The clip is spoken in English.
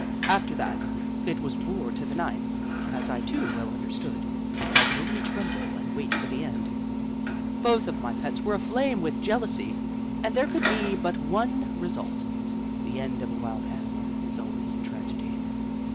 After that, it was war to the knife, as I too well understood, and I could only tremble and wait for the end. Both of my pets were aflame Little Upsidaisi 13 with jealousy, and there could be but one re sult. The end of a wild animal is always a tragedy.